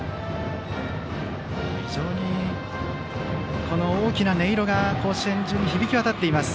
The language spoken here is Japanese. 非常に大きな音色が甲子園中に響き渡っています。